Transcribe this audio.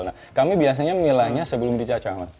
nah kami biasanya milahnya sebelum dicacah